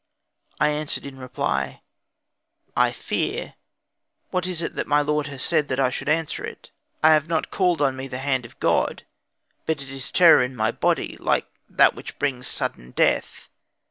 I answered in reply, "I fear, what is it that my lord has said that I should answer it? I have not called on me the hand of God, but it is terror in my body, like that which brings sudden death.